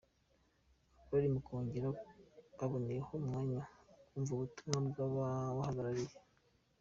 Abari muri Kongere baboneyeho umwanya wo kumva ubutumwa bw’abahagarariye